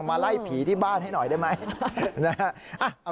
มาไล่ผีที่บ้านให้หน่อยได้ไหม